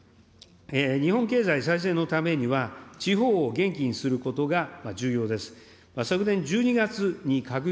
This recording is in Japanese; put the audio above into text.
日本経済再生のためには、地方を元気にすることが重要です。